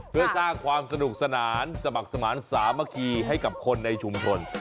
เพื่อสร้างความสนุกสนานสมัครสมานสามัคคีให้กับคนในชุมชน